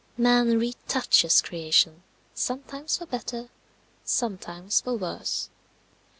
Man retouches creation, sometimes for better, sometimes for worse.